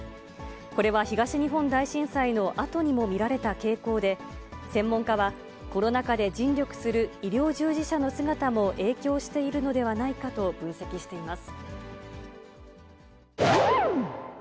これは東日本大震災のあとにも見られた傾向で、専門家は、コロナ禍で尽力する医療従事者の姿も影響しているのではないかと分析しています。